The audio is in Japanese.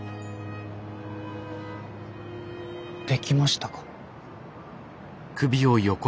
できましたか？